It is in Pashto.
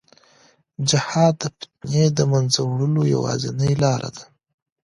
جهاد د فتنې د منځه وړلو یوازینۍ لار ده.